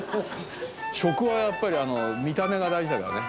食はやっぱり見た目が大事だからね。